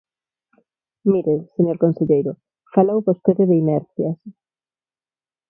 Mire, señor conselleiro, falou vostede de inercias.